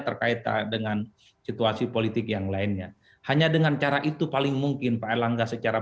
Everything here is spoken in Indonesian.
terkait dengan situasi politik yang lainnya hanya dengan cara itu paling mungkin pak erlangga secara